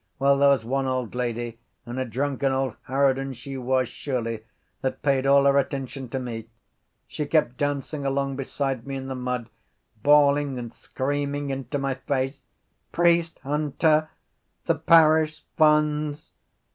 Well there was one old lady, and a drunken old harridan she was surely, that paid all her attention to me. She kept dancing along beside me in the mud bawling and screaming into my face: _Priesthunter! The Paris Funds!